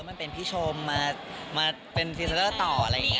มันเป็นพี่ชมมาเป็นพรีเซนเตอร์ต่ออะไรอย่างนี้